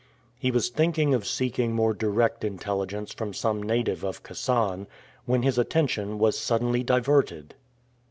He was thinking of seeking more direct intelligence from some native of Kasan, when his attention was suddenly diverted.